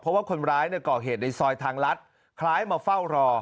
เพราะว่าคนร้ายก่อเหตุในซอยทางรัฐคล้ายมาเฝ้ารอ